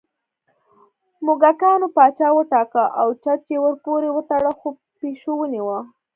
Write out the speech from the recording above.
موږکانو پاچا وټاکه او چج یې ورپورې وتړه خو پېشو ونیوه